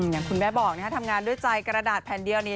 อย่างคุณแม่บอกทำงานด้วยใจกระดาษแผ่นเดียวนี้